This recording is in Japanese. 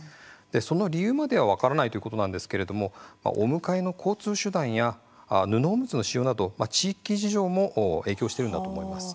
その理由までは分からないということなんですけれどもお迎えの交通手段や布おむつの使用など地域事情も影響しているのだと思います。